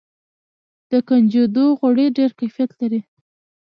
د کنجدو غوړي ډیر کیفیت لري.